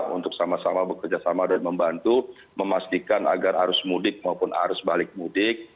untuk sama sama bekerja sama dan membantu memastikan agar arus mudik maupun arus balik mudik